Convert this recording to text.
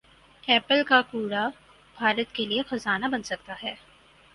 apple کا کوڑا بھارت کیلئے خزانہ بن سکتا ہے